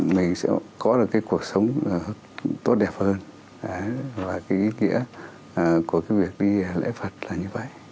mình sẽ có được cái cuộc sống tốt đẹp hơn và cái ý nghĩa của cái việc đi lễ phật là như vậy